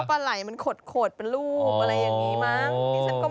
ปลาไหล่มันขดเป็นรูปอะไรอย่างนี้มั้ง